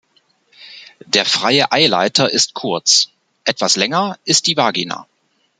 Der freie Eileiter ist kurz; etwas länger ist die Vagina.